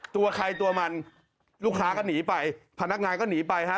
ตัวใครตัวมันลูกค้าก็หนีไปพนักงานก็หนีไปฮะ